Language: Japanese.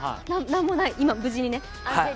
今、無事にね。